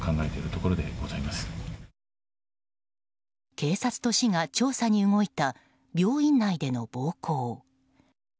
警察と市が調査に動いた病院内での暴行。